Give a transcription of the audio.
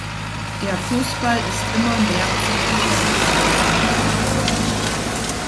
Der Fußball ist immer mehr zum Geschäft geworden.